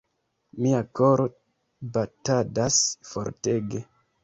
Mia koro batadas fortege.